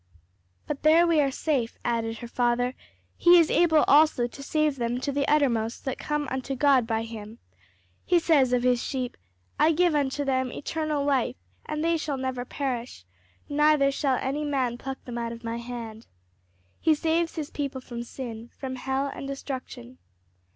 "But there we are safe," added her father: "'he is able also to save them to the uttermost that come unto God by him.' He says of his sheep, 'I give unto them eternal life; and they shall never perish, neither shall any man pluck them out of my hand.' He saves his people from sin, from hell and destruction."